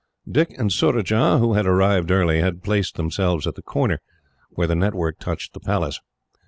Dick and Surajah, who had arrived early, had placed themselves at the corner, where the network touched the Palace.